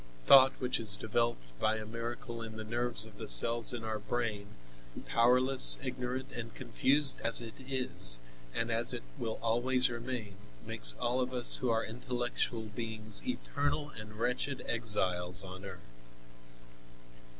Thought, which is developed by a miracle in the nerves of the cells in our brain, powerless, ignorant and confused as it is, and as it will always remain, makes all of us who are intellectual beings eternal and wretched exiles on earth.